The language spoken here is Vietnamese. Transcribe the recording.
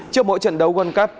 trước mỗi trận đấu quân cấp